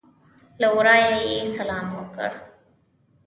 له ورایه یې سلام وکړ.